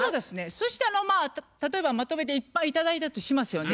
そして例えばまとめていっぱい頂いたとしますよね。